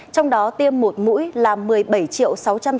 trong đó tiêm một mũi là một mươi bảy sáu trăm sáu mươi bảy trăm bảy mươi hai liều